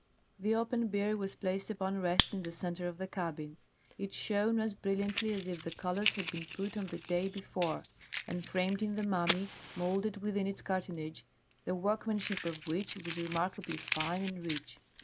The open bier was placed upon rests in the centre of the cabin; it shone as brilliantly as if the colours had been put on the day before, and framed in the mummy, moulded within its cartonnage, the workmanship of which was remarkably fine and rich.